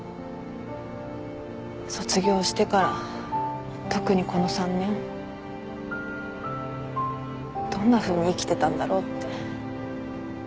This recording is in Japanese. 卒業してから特にこの３年どんなふうに生きてたんだろうって。